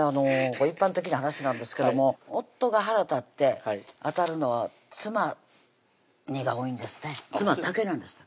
一般的な話なんですけども「夫が腹立って当たるのは妻に」が多いんですって妻だけなんですって